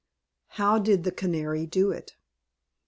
HOW DID THE CANARY DO IT?